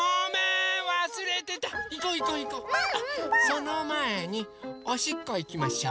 そのまえにおしっこいきましょう。